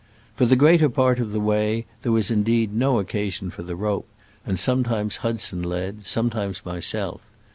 For the greater part of the way there was indeed no occasion for the rope, and sometimes Hudson led, some times myself.